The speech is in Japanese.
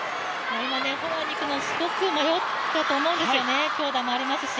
今、フォアにいくの、すごく迷ったと思うんですよね、強打もありますし。